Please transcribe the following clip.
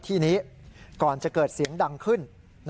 ที่นี้ก่อนจะเกิดเสียงดังขึ้น